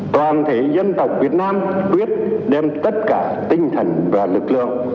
toàn thể dân tộc việt nam quyết đem tất cả tinh thần và lực lượng